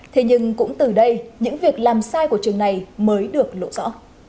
thế nhưng cũng từ đây những việc làm sai của trường này mới được lộ rõ